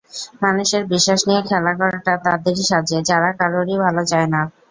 মানুষের বিশ্বাস নিয়ে খেলা করাটা তাদেরই সাজে, যারা কারোরই ভালো চায় না।